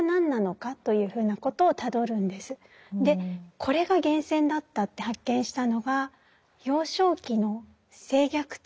これが源泉だったって発見したのが幼少期の性虐待。